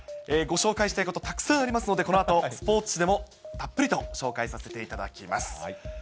ご紹介したいことたくさんありますので、このあとスポーツ紙でもたっぷりと紹介させていただきます。